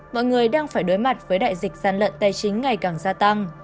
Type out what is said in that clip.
mọi người đang phải đối mặt với đại dịch giàn lận tài chính ngày càng gia tăng